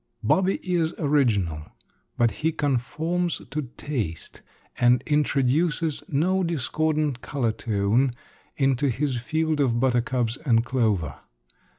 Bobby is original, but he conforms to taste, and introduces no discordant color tone into his field of buttercups and clover.